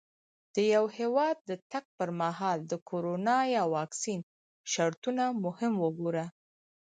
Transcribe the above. د یو هېواد د تګ پر مهال د کرونا یا واکسین شرطونه هم وګوره.